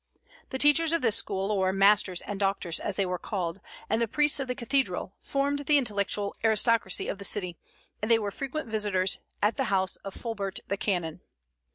The teachers of this school, or masters and doctors as they were called, and the priests of the cathedral formed the intellectual aristocracy of the city, and they were frequent visitors at the house of Fulbert the canon.